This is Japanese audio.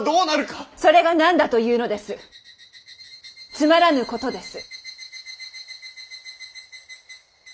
つまらぬことです。